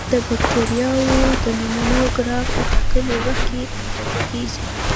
د بکټریاوو د نمو ګراف په ټاکلي وخت کې اندازه کیږي.